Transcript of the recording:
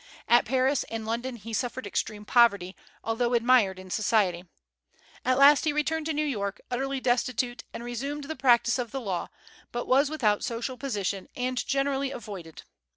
At Paris and London he suffered extreme poverty, although admired in society. At last he returned to New York, utterly destitute, and resumed the practice of the law, but was without social position and generally avoided.